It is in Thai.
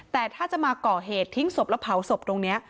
แต่ถ้าจะมาก่อเหตุทิ้งศพแล้วเผาศพตรงนี้